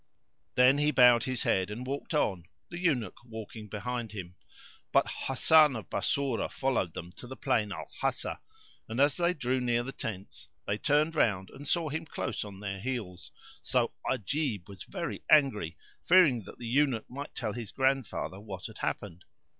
Then he bowed his head and walked on, the Eunuch walking behind him. But Hasan of Bassorah followed them to the plain Al Hasa; and, as they drew near to the tents, they turned round and saw him close on their heels; so Ajib was very angry, fearing that the Eunuch might tell his grandfather what had happened.